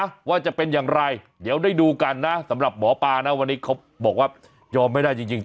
ว่าจะเป็นอย่างไรเดี๋ยวได้ดูกันนะสำหรับหมอปลานะวันนี้เขาบอกว่ายอมไม่ได้จริงจริง